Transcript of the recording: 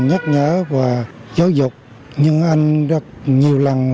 và tự nhiên tìm được người ngoại lực